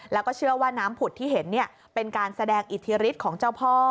แล้วก็เชื่อว่าน้ำผุดที่เห็นเป็นการแสดงอิทธิฤทธิ์ของเจ้าพ่อ